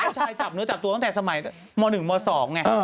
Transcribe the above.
ทุกผู้ชายจับเนื้อจับตัวตั้งแต่สมัยม๑๒ไงครับ